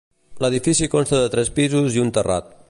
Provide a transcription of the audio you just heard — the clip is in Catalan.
L'edifici consta de tres pisos i un terrat.